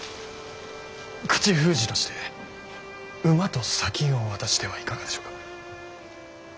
口封じとして馬と砂金を渡してはいかがでしょうか。